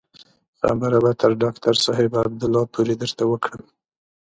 خبره به تر ډاکتر صاحب عبدالله پورې درته وکړم.